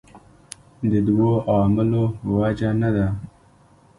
دوو عاملو وجه نه ده.